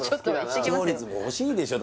視聴率も欲しいでしょ